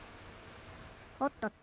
おっとっと。